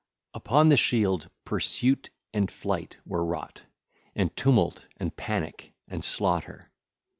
(ll. 154 160) Upon the shield Pursuit and Flight were wrought, and Tumult, and Panic, and Slaughter.